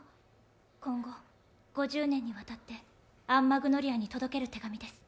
今後、５０年にわたってアン・マグノリアに届ける手紙です。